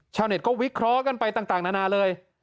ชาวเน็ตก็วิเคราะห์กันไปต่างนานาเลย